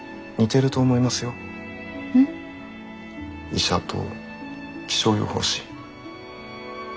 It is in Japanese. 医者と気象予報士。